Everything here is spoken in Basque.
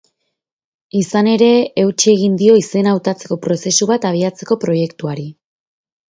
Izan ere, eutsi egin dio izena hautatzeko prozesu bat abiatzeko proiektuari.